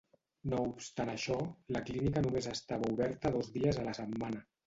No obstant això, la clínica només estava oberta dos dies a la setmana.